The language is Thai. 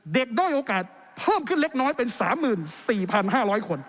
ด้อยโอกาสเพิ่มขึ้นเล็กน้อยเป็น๓๔๕๐๐คน